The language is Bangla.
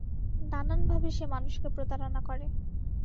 নানানভাবে সে মানুষকে প্রতারণা করে।